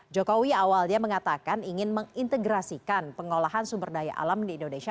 jokowi awalnya mengatakan ingin mengintegrasikan pengolahan sumber daya alam di indonesia